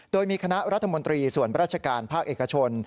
โดยมีคณะรัฐมนตรีส่วนราชการภาคเอกชน